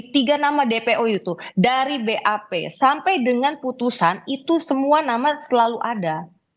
tiga nama dpo itu dari bap sampai dengan putusan itu semua nama selalu ada